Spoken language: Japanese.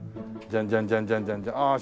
ああ！